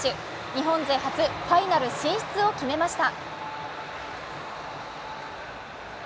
日本勢初、ファイナル進出を決めました。